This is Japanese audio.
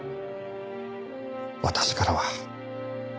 私からは。